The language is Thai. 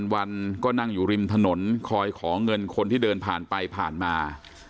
วันก็นั่งอยู่ริมถนนคอยขอเงินคนที่เดินผ่านไปผ่านมา